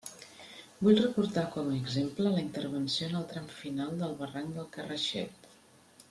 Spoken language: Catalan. Vull recordar com a exemple la intervenció en el tram final del Barranc del Carraixet.